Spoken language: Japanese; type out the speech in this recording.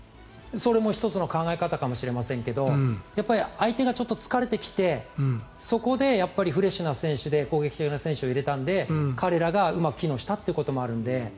それも１つの考え方かもしれませんがやっぱり相手がちょっと疲れてきてそこでフレッシュな選手で攻撃的な選手を入れたので彼らがうまく機能したということもあるので。